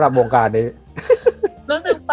รู้สึกประหลาดค่ะ